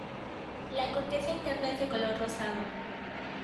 La corteza interna es de color rosado.